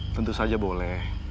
tentu saja boleh